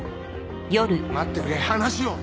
待ってくれ話を。